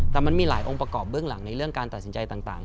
แต่มันมีหลายองค์ประกอบเบื้องหลังในเรื่องการตัดสินใจต่าง